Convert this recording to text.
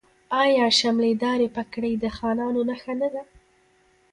آیا شملې دارې پګړۍ د خانانو نښه نه ده؟